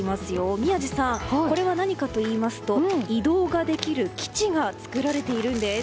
宮司さんこれは何かといいますと移動ができる吉が作られているんです。